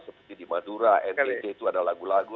seperti di madura ntt itu ada lagu lagu